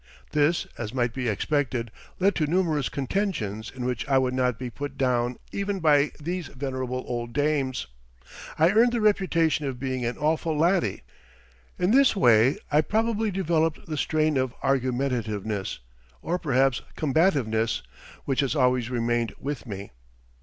This, as might be expected, led to numerous contentions in which I would not be put down even by these venerable old dames. I earned the reputation of being "an awfu' laddie." In this way I probably developed the strain of argumentativeness, or perhaps combativeness, which has always remained with me.